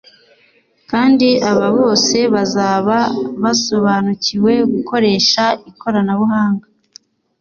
kandi aba bose bazaba basobanukiwe gukoresha ikoranabuhanga